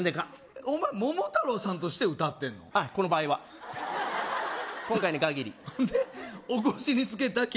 お前桃太郎さんとして歌ってんのあっこの場合は今回に限りほんでお腰につけた黍団子？